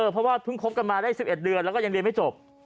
เพราะว่าเพิ่งคบกันมาได้๑๑เดือนแล้วก็ยังเรียนไม่จบ